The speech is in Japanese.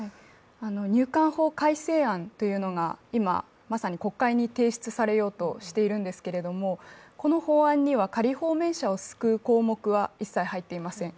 入管法改正案というのが今、まさに国会に提出されようとしているんですけれども、この法案には、仮放免者を救う項目は一切入っていません。